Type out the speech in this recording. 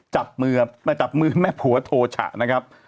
จับมือแม่ผัวโทรฉะนะครับ